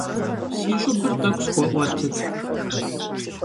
Si ş'ıbır t'ek'u sxue'uetıt.